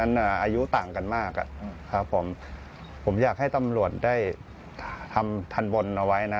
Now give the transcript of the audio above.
อายุต่างกันมากอ่ะครับผมผมอยากให้ตำรวจได้ทำทันบนเอาไว้นะ